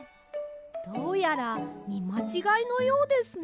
どうやらみまちがいのようですね。